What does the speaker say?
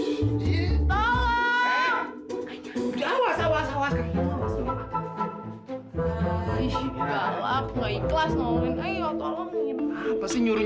itu di belakangnya masukin